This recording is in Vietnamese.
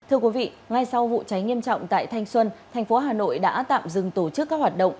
thưa quý vị ngay sau vụ cháy nghiêm trọng tại thanh xuân thành phố hà nội đã tạm dừng tổ chức các hoạt động